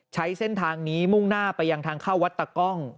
ใช้เส้นทางนี้มุ่งหน้าไปยังทางเข้าวัดตะกล้อง